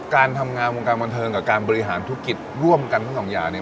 การทำงานวงการบันเทิงกับการบริหารธุรกิจร่วมกันทั้งสองอย่างเนี่ย